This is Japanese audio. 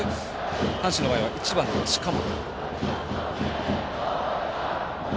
阪神の場合は１番の近本。